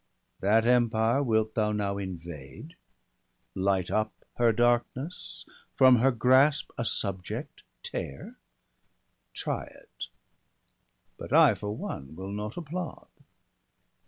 That empire wilt thou now invade, light up Her darkness, from her grasp a subject tear? — Try it ; but I, for one, will not applaud.